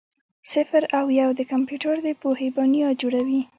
صفر او یو د کمپیوټر د پوهې بنیاد جوړوي.